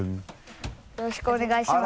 よろしくお願いします。